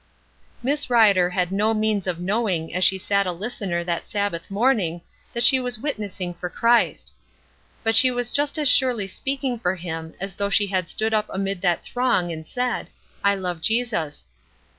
Miss Rider had no means of knowing as she sat a listener that Sabbath morning that she was witnessing for Christ. But she was just as surely speaking for him as though she had stood up amid that throng and said: "I love Jesus."